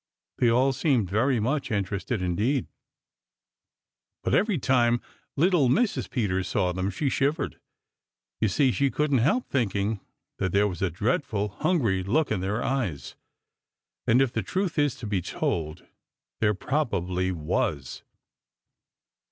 They all seemed very much interested indeed, but every time little Mrs. Peter saw them, she shivered. You see, she couldn't help thinking that there was a dreadful, hungry look in their eyes, and if the truth is to be told, there probably was.